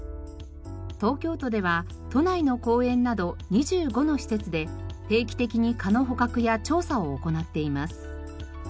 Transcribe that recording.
東京都では都内の公園など２５の施設で定期的に蚊の捕獲や調査を行っています。